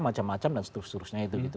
macam macam dan seterusnya itu gitu